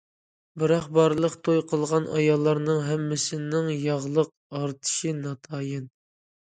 بىراق بارلىق توي قىلغان ئاياللارنىڭ ھەممىسىنىڭ ياغلىق ئارتىشى ناتايىن.